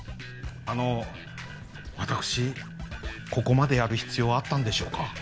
あの私ここまでやる必要はあったんでしょうか？